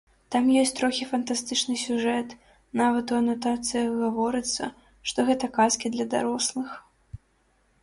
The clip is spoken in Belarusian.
Там ёсць трохі фантастычны сюжэт, нават у анатацыях гаворыцца, што гэта казкі для дарослых.